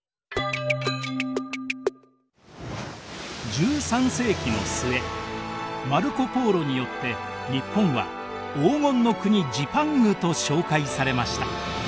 １３世紀の末マルコ・ポーロによって日本は黄金の国・ジパングと紹介されました。